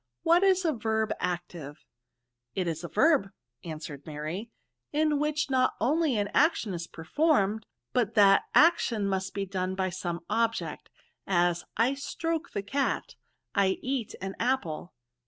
What is a verb active ?"" It is a verb," answered Mary, " in which not only an action is performed, but that action must be done to some object ; as, I stroke the cat, I eat an apple."